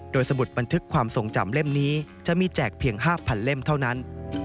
สมุดบันทึกความทรงจำเล่มนี้จะมีแจกเพียง๕๐๐เล่มเท่านั้น